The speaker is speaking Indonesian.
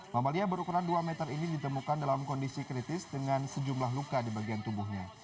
mamalia berukuran dua meter ini ditemukan dalam kondisi kritis dengan sejumlah luka di bagian tubuhnya